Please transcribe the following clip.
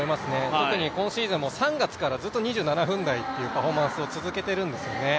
特に今シーズンは３月からずっと２７分台というパフォーマンスを続けているんですよね。